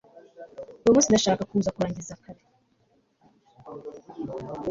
uyumunsi ndashaka kuza kurangiza kare